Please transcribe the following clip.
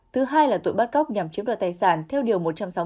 thứ hai là tội bắt cóc nhằm chiếm đoạt tài sản theo điều một trăm sáu mươi tám